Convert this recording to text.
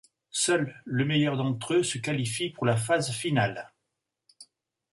Seul le meilleur d'entre eux se qualifie pour la phase finale.